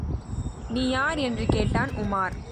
நீ யார்? என்று கேட்டான் உமார்.